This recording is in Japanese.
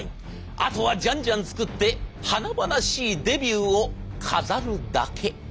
あとはじゃんじゃん作って華々しいデビューを飾るだけ。